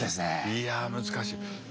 いや難しい。